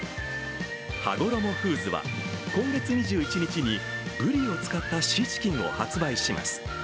はごろもフーズは今月２１日にぶりを使ったシーチキンを発売します。